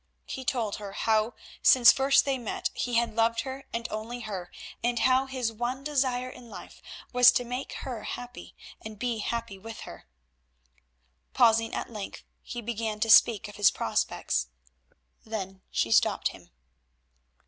He told her how since first they met he had loved her and only her, and how his one desire in life was to make her happy and be happy with her. Pausing at length he began to speak of his prospects—then she stopped him.